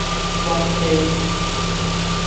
屈機